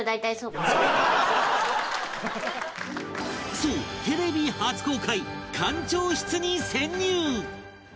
そうテレビ初公開艦長室に潜入！